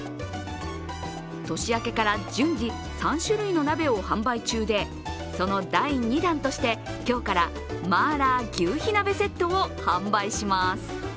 年明けから順次、３種類の鍋を販売中でその第２弾として、今日から麻辣牛火鍋セットを販売します。